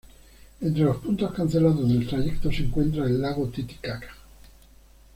Entre los puntos cancelados del trayecto se encuentra el Lago Titicaca.